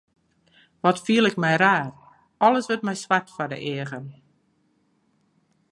Wat fiel ik my raar, alles wurdt my swart foar de eagen.